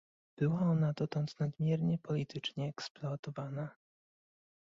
Była ona dotąd nadmiernie politycznie eksploatowana